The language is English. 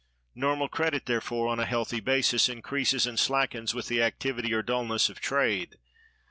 Normal credit, therefore, on a healthy basis, increases and slackens with the activity or dullness of trade.